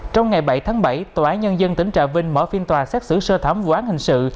trong ngày bảy tháng bảy tòa án nhân dân tỉnh trà vinh mở phiên tòa xét xử sơ thẩm vụ án hình sự